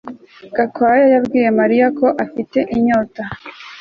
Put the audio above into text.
Gakwaya yabwiye Mariya ko afite inyota